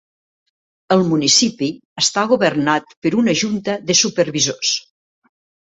El municipi està governat per una Junta de Supervisors.